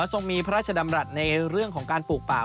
ทรงมีพระราชดำรัฐในเรื่องของการปลูกป่า